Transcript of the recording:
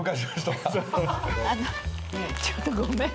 ちょっとごめん。